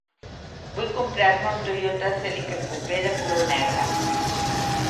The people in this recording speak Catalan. Vull comprar-me un Toyota Celica Coupé de color negre.